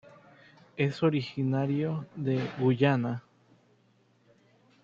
Es originario de Guyana.